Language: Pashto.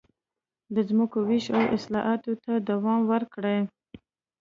د ځمکو وېش او اصلاحاتو ته دوام ورکړي.